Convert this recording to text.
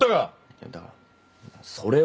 いやだからそれは。